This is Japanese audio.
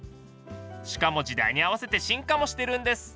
しかも時代に合わせて進化もしてるんです！